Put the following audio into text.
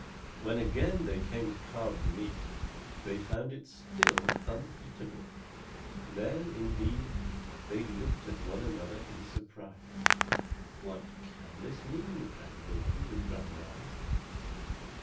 When again they came to carve the meat, they found it still uneatable. Then, indeed, they looked at one another in surprise. "What can this mean?" cried Loki, with round eyes.